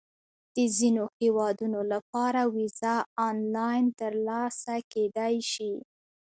د ځینو هیوادونو لپاره ویزه آنلاین ترلاسه کېدای شي.